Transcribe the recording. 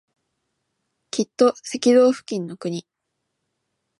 きっと赤道付近の国